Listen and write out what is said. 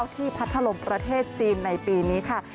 ที่พัฒนาลมประเทศจีนในปีนี้ค่ะ